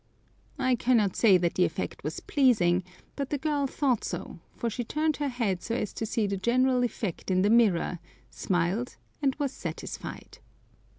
I cannot say that the effect was pleasing, but the girl thought so, for she turned her head so as to see the general effect in the mirror, smiled, and was satisfied.